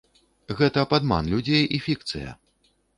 Гэта падман людзей і фікцыя.